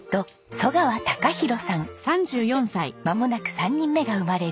そしてまもなく３人目が生まれる